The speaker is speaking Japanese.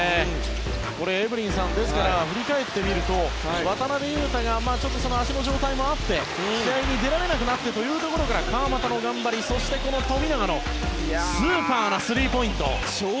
エブリンさん振り返ってみると渡邊雄太が足の状態もあって試合に出られなくなってというところから川真田の頑張りそして富永のスーパーなスリーポイント。